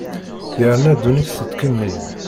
Yerna ddunit tettkemmil.